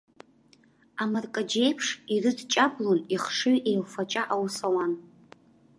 Амаркаџьы еиԥш ирыдҷаблон, ихшыҩ еилфаҷа аус ауан.